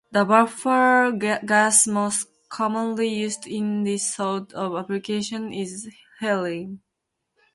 The buffer gas most commonly used in this sort of application is helium.